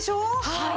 はい。